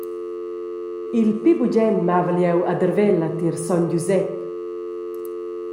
Il pli bugen mavel jeu a Darvella tier sogn Giusep.